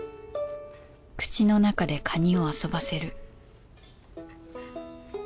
口の中でかにを遊ばせる